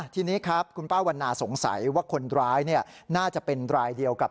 ทีนี้ครับคุณป้าวันนาสงสัยว่าคนร้ายน่าจะเป็นรายเดียวกับ